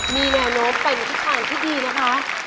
มีแนวโน้มไปในทิศทางที่ดีนะคะ